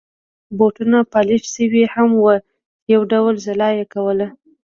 بوټونه پالش شوي هم وو چې یو ډول ځلا يې کول.